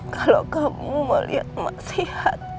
kalau kamu mau lihat emak sehat